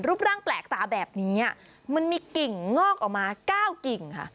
ร่างแปลกตาแบบนี้มันมีกิ่งงอกออกมา๙กิ่งค่ะ